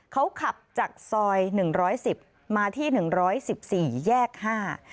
เขาขับจากซอยหนึ่งร้อยสิบมาที่หนึ่งร้อยสิบสี่แยกห้า